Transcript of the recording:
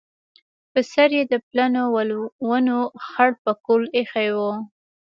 پر سر یې د پلنو ولونو خړ پکول ایښی و.